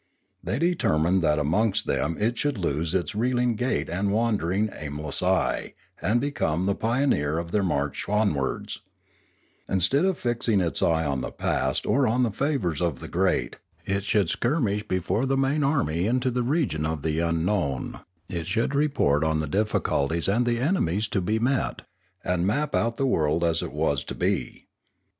They determined that amongst them it should lose its reeling gait and wandering, aimless eye, and become the pioneer of their march onwards; instead of fixing its eye on the past or on the favours of the great, it should skirmish before the main army into the region of the unknown ; it should report on the difficulties and the enemies to be met, and map out the world as it was to be.